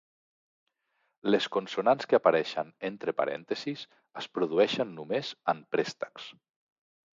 Les consonants que apareixen entre parèntesis es produeixen només en préstecs.